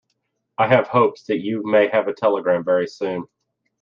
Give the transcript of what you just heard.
I have hopes that you may have a telegram very soon.